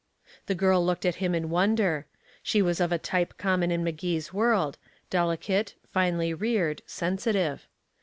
The girl looked at him in wonder. She was of a type common in Magee's world delicate, finely reared, sensitive.